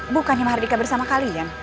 bukannya mardika bersama kalian